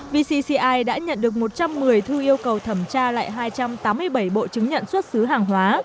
vcci đã nhận được một trăm một mươi thư yêu cầu thẩm tra lại hai trăm tám mươi bảy bộ chứng nhận xuất xứ hàng hóa